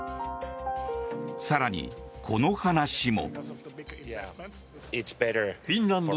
更に、この話も。